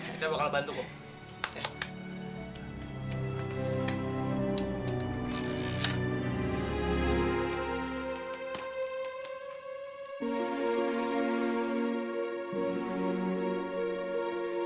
kita bakal bantu gung